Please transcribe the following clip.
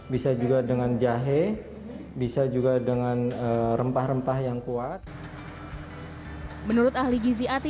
bisa juga dengan jahe bisa juga dengan rempah rempah yang kuat menurut ahli gizi ati